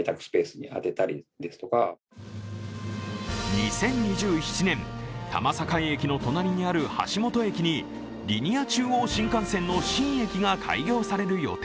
２０２７年、多摩境駅の隣にある橋本駅にリニア中央新幹線の新駅が開業される予定。